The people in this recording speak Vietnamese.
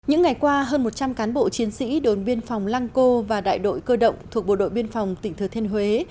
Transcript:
những ngày qua hơn một trăm linh cán bộ chiến sĩ đồn biên phòng lăng cô và đại đội cơ động thuộc bộ đội biên phòng tỉnh thừa thiên huế